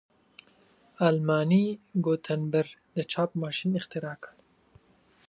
آلماني ګونتبر د چاپ ماشین اختراع کړ.